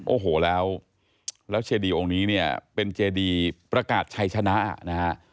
โอ้โหแล้วเจดีองค์นี้เนี่ยเป็นเจดีประกาศชัยชนะนะฮะ